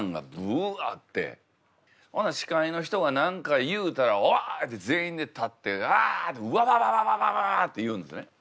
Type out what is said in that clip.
ほな司会の人が何か言うたら「おい！」って全員で立って「あうわわわわわ」って言うんですね。